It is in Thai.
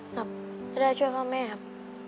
ครับจะได้ช่วยพ่อแม่ครับ